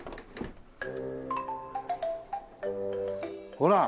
ほら！